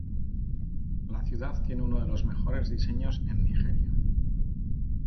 La ciudad tiene uno de los mejores diseños en Nigeria.